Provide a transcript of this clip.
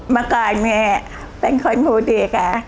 มาก่อนเนี่ยเป็นคนมูลดีค่ะ